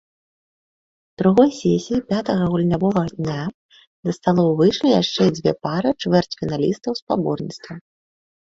У другой сесіі пятага гульнявога дня да сталоў выйшлі яшчэ дзве пары чвэрцьфіналістаў спаборніцтва.